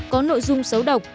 có nội dung xấu độc